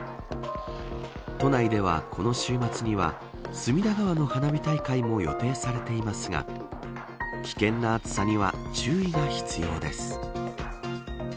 都内ではこの週末には隅田川の花火大会も予定されていますが危険な暑さには注意が必要です。